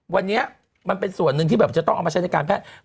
วันนี้มันเป็นส่วนหนึ่งที่แบบจะต้องเอามาใช้ในการแพทย์